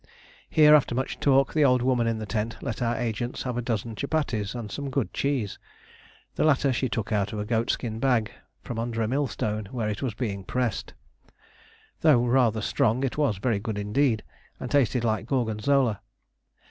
Here, after much talk, the old woman in the tent let our agents have a dozen chupatties and some good cheese. The latter she took out of a goat skin bag from under a millstone, where it was being pressed. Though rather strong, it was very good indeed, and tasted like gorgonzola.